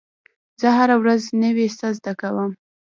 زه هره ورځ نوی څه زده کوم.